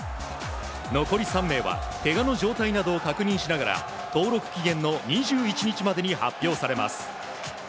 残り３名はけがの状態などを確認しながら登録期限の２１日までに発表されます。